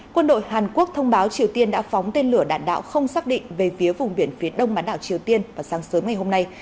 quân đội hàn quốc thông báo triều tiên đã phóng tên lửa đạn đạo không xác định về phía vùng biển phía đông bán đảo triều tiên vào sáng sớm ngày hôm nay